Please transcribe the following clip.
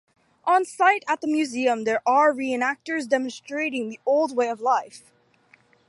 On site at the museum there are re-enactors demonstrating the old way of life.